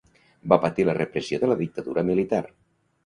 Va patir la repressió de la dictadura militar.